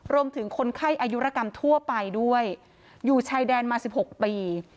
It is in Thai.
คนไข้อายุรกรรมทั่วไปด้วยอยู่ชายแดนมา๑๖ปี